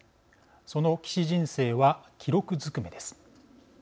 その棋士人生は記録づくめです。